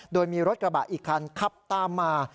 โดยมีรถกระบะอีกคันขับตามมา